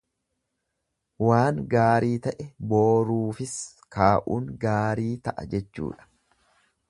Waan gaarii ta'e booruufis kaa'uun gaarii ta'a jechuudha.